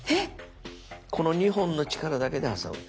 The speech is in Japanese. この２本の力だけで挟む。